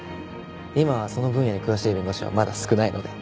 今はその分野に詳しい弁護士はまだ少ないので。